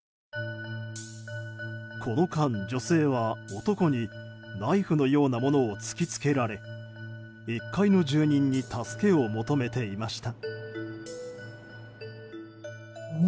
この間、女性は男にナイフのようなものを突きつけられ、１階の住人に助けを求めていました。